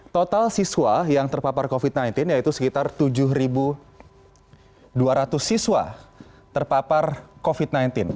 total siswa yang terpapar covid sembilan belas yaitu sekitar tujuh dua ratus siswa terpapar covid sembilan belas